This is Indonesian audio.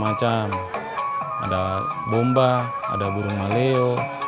menggunakan bahan benang sutra